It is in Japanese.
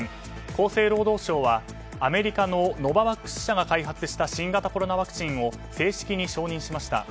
厚生労働省は、アメリカのノババックス社が開発した新型コロナワクチンを正式に承認しました。